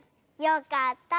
よかった。